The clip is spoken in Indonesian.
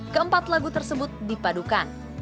keempat lagu tersebut dipadukan